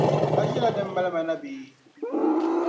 A ʒi la din mali ma bee?